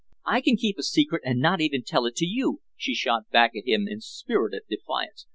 "I can keep a secret and not even tell it to you," she shot back at him in spirited defiance.